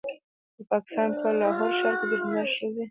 د پاکستان په لاهور ښار کې د نرښځې